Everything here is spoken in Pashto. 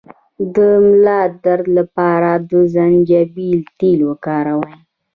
د ملا درد لپاره د زنجبیل تېل وکاروئ